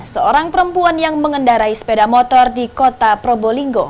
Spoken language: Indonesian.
seorang perempuan yang mengendarai sepeda motor di kota probolinggo